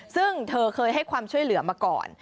ซึ่งเธอเคยให้ความช่วยเหลือมาก่อน